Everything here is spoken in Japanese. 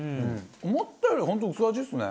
思ったより本当薄味ですね。